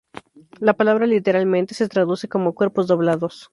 La palabra literalmente se traduce como cuerpos doblados.